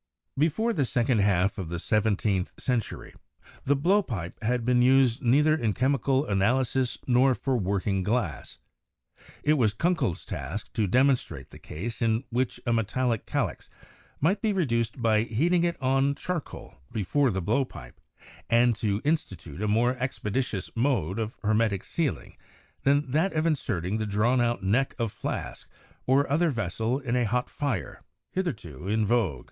Before the second half of the seventeenth century the blowpipe had been used neither in chemical analysis nor for working glass. It was Kunckel's task to demonstrate the ease with which a metallic calx might be reduced by heating it on charcoal before the blowpipe, and to insti tute a more expeditious mode of hermetic sealing than that of inserting the drawn out neck of flask or other vessel in a hot fire, hitherto in vogue.